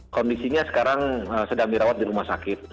kondisinya sekarang sedang dirawat di rumah sakit